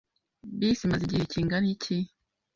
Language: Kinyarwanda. Bisi imaze igihe kingana iki?